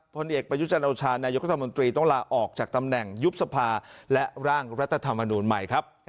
ผลเอกประยุจันโอชานายกรัฐมนตรีต้องลาออกจากตำแหน่งยุบสภาและร่างรัฐธรรมนูลใหม่ครับ